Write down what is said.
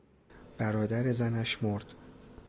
برادر زنش مرد.